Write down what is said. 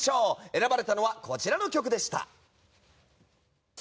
選ばれたのはこちらの曲でした。